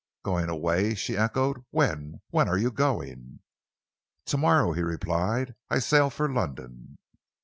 "Going away?" she echoed. "When? When are you going?" "To morrow," he replied, "I sail for London."